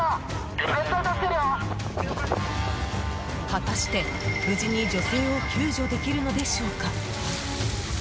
果たして、無事に女性を救助できるのでしょうか。